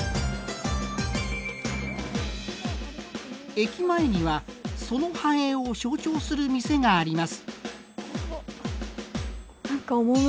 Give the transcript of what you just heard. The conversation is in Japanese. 駅前にはその繁栄を象徴する店があります。